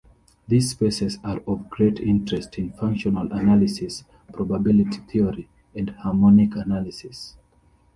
These spaces are of great interest in functional analysis, probability theory, and harmonic analysis.